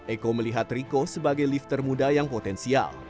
eko melihat riko sebagai lifter muda yang potensial